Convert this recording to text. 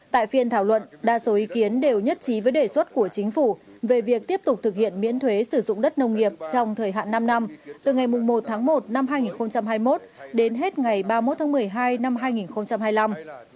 tại phiên thảo luận đa số ý kiến đều nhất trí với đề xuất của chính phủ về việc tiếp tục thực hiện miễn thuế sử dụng đất nông nghiệp trong thời hạn năm năm từ ngày một tháng một năm hai nghìn hai mươi một đến hết ngày ba mươi một tháng một mươi hai năm hai nghìn hai mươi năm